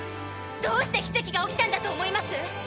どうして奇跡が起きたんだと思います？